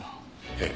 ええ。